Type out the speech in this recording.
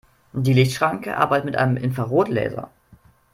Die Lichtschranke arbeitet mit einem Infrarotlaser.